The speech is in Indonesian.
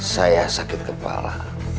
saya sakit kepala